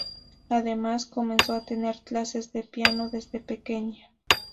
Además, comenzó a tener clases de piano desde pequeña.